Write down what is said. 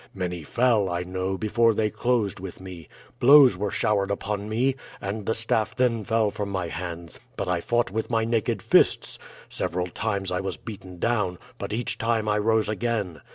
Many fell, I know, before they closed with me. Blows were showered upon me, and the staff then fell from my hands, but I fought with my naked fists. Several times I was beaten down, but each time I rose again.